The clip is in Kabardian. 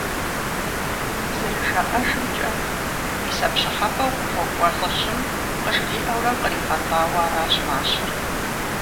Зэрыжаӏэжымкӏэ, мис а пщӏыхьэпӏэу къыхуэкӏуэ лӏыжьым къыжриӏэурэ къригъэтӏауэ аращ мащэр.